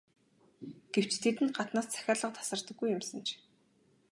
Гэвч тэдэнд гаднаас захиалга тасардаггүй юмсанж.